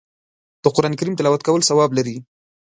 د قرآن کریم تلاوت کول ثواب لري